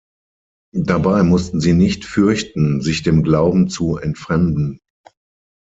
Dabei mussten sie nicht fürchten, sich dem Glauben zu entfremden.